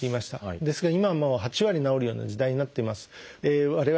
ですが今はもう８割治るような時代になっています。